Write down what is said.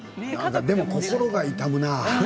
でも心が痛むな。